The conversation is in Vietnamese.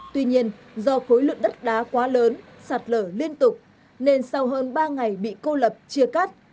tuy nhiên do khối lượng đất đá quá lớn sạt lở liên tục nên sau hơn ba ngày bị cô lập chia cắt